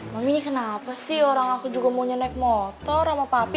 mama ini kenapa sih orang aku juga maunya naik motor sama papi